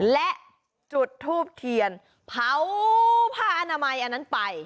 และจุดทูบเทียนเผาผ้าอนามัยอันนั้นไป